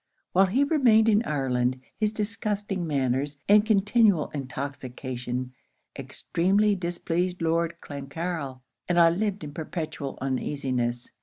While he remained in Ireland, his disgusting manners, and continual intoxication, extremely displeased Lord Clancarryl; and I lived in perpetual uneasiness.